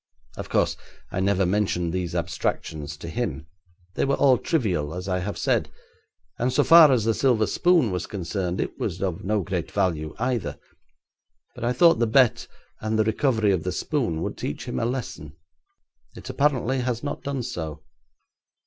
Of course, I never mentioned these abstractions to him. They were all trivial, as I have said, and so far as the silver spoon was concerned, it was of no great value either. But I thought the bet and the recovery of the spoon would teach him a lesson; it apparently has not done so.